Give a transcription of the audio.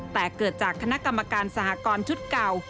แต่เกิดจากคณะกรรมการสหกรณ์ชุดเก่า